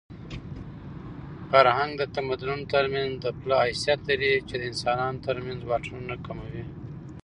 فرهنګ د تمدنونو ترمنځ د پله حیثیت لري چې د انسانانو ترمنځ واټنونه کموي.